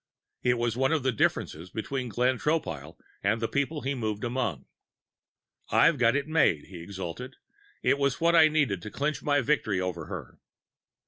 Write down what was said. It was one of the differences between Glenn Tropile and the people he moved among. I've got it made, he exulted; it was what I needed to clinch my victory over her.